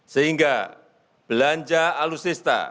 sehingga belanja alutsista